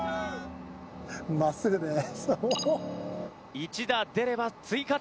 一打出れば追加点。